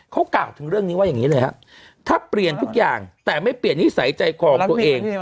เขากล่าวถึงเรื่องนี้ว่าอย่างนี้เลยครับถ้าเปลี่ยนทุกอย่างแต่ไม่เปลี่ยนนิสัยใจคอของตัวเอง